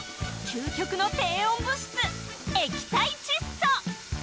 究極の低温物質液体窒素